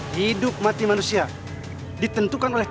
hidup mati manusia ditentukan oleh